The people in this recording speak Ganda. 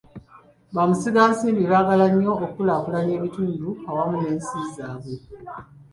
Bamusigansimbi baagala nnyo okukulaakulanya ebitundu awamu n'ensi zaabwe.